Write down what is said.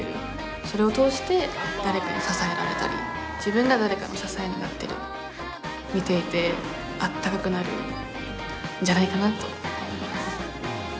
それを通して誰かに支えられたり自分が誰かの支えになったり見ていてあったかくなるんじゃないかなと思います。